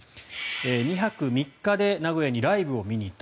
２泊３日で名古屋にライブを見に行った。